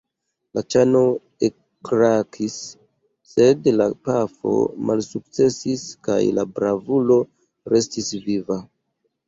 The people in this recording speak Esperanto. La ĉano ekkrakis, sed la pafo malsukcesis, kaj la bravulo restis viva.